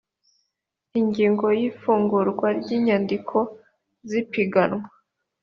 ingingo ya ifungurwa ry inyandiko z ipiganwa